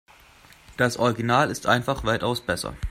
Das Original ist einfach weitaus besser.